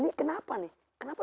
ini kenapa nih kenapa